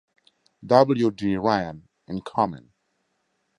W. D. Ryan in command.